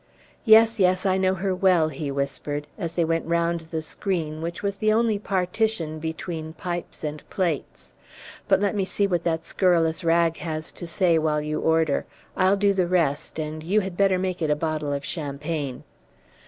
Yes, yes, I know her well," he whispered, as they went round the screen which was the only partition between pipes and plates; "but let me see what that scurrilous rag has to say while you order. I'll do the rest, and you had better make it a bottle of champagne."